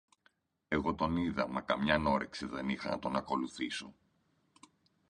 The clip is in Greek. Εγώ τον είδα, μα καμιάν όρεξη δεν είχα να τον ακολουθήσω.